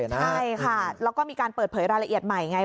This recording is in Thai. ใช่ค่ะแล้วก็มีการเปิดเผยรายละเอียดใหม่ไง